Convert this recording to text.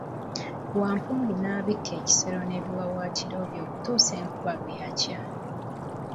Wampungu n'abikka ekisero n'ebiwawaatiro bye okutuusa enkuba lwe yakya.